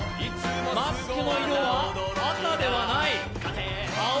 マスクの色は赤ではない。